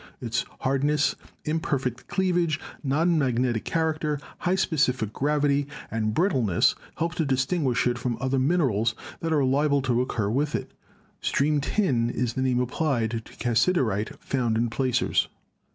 Its hardness, imper fect cleavage, nonmagnetic character, high specific gravity and brittleness help to distinguish it from other minerals that are liable to occur with it. Stream tin is the name applied to cassiterite found in placers.